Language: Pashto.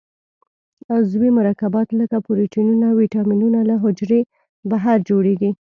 عضوي مرکبات لکه پروټینونه او وېټامینونه له حجرې بهر جوړیږي.